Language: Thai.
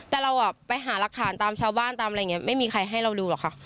แต่เราไปหารักฐานตามชาวบ้านตามอะไรอย่างนี้ไม่มีใครให้เราดูหรอกค่ะ